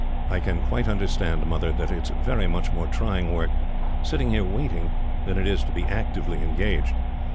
"I can quite understand, Mother, that it is very much more trying work, sitting here waiting, than it is to be actively engaged.